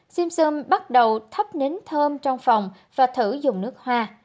simpson bắt đầu thắp nín thơm trong phòng và thử dùng nước hoa